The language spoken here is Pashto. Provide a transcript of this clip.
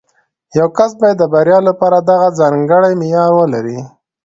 یو کس باید د بریا لپاره دغه ځانګړی معیار ولري